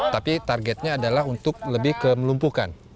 tapi targetnya adalah untuk lebih ke melumpuhkan